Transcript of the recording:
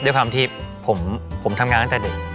ด้วยความที่ผมทำงานตั้งแต่เด็ก